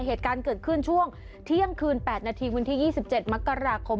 เหตุการณ์เกิดขึ้นช่วงเที่ยงคืน๘นาทีวันที่๒๗มกราคม